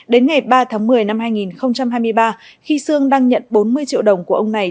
đến ngày ba tháng một mươi năm hai nghìn hai mươi ba khi sương đang nhận bốn mươi triệu đồng của ông này